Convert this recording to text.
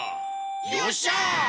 よっしゃ！